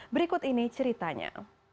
berikut ini ceritanya